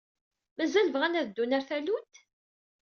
Mazal bɣan ad ddun ɣer tallunt?